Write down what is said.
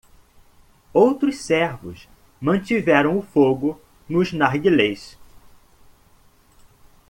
Outros servos mantiveram o fogo nos narguilés.